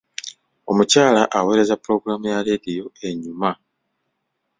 Omukyala awerezza pulogulamu ya laadiyo enyuma.